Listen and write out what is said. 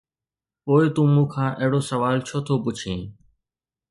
”پوءِ تون مون کان اهڙو سوال ڇو ٿو پڇين؟